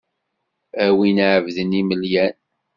A win iɛebḏen imelyan.